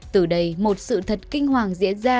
từ đây một sự thật kinh hoàng diễn ra